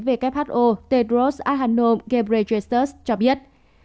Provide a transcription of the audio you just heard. who tedros adhanom ghebreyesus cho biết